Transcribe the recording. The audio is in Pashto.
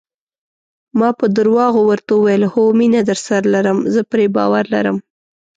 ما په درواغو ورته وویل: هو، مینه درسره لرم، زه پرې باور لرم.